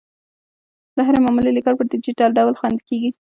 د هرې معاملې ریکارډ په ډیجیټل ډول خوندي کیږي.